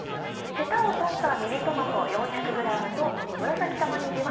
ヘタを取ったミニトマト４００ｇと。